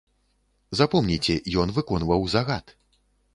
Запомніце, ён выконваў загад.